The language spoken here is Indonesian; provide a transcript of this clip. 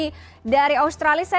mbak emma dari australia